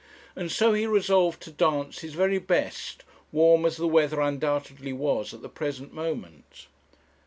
and so he resolved to dance his very best, warm as the weather undoubtedly was at the present moment.